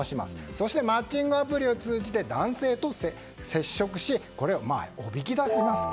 そしてマッチングアプリを通じて男性と接触しこれをおびき出します。